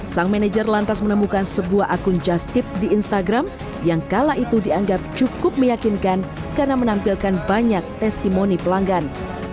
sang manajer lantas menemukan sebuah akun just tip di instagram yang kala itu dianggap cukup meyakinkan karena menampilkan banyak testimoni pelanggan